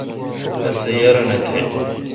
رس سہ یارانو تھ۔